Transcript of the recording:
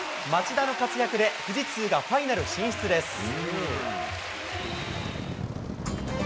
町田の活躍で富士通がファイナル進出です。